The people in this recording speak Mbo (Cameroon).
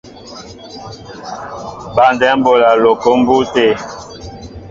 Băndɛm bola loko a mbu té.